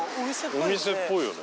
お店っぽいよね。